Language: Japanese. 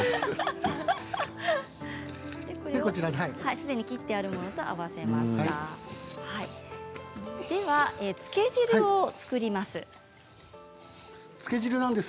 すでに切ってあるものと合わせていきます。